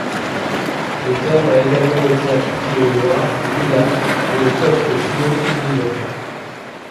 Le terme a également été appliqué aux Noirs, Mulâtres et aux peuples finno-ougriens.